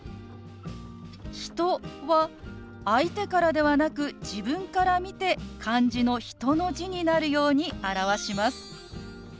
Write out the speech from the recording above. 「人」は相手からではなく自分から見て漢字の「人」の字になるように表します。